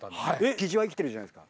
キジは生きてるじゃないですか。